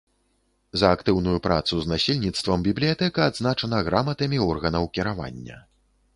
За актыўную працу з насельніцтвам бібліятэка адзначана граматамі органаў кіравання.